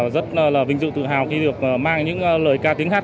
rất là vinh dự tự hào khi được mang những lời ca tiếng hát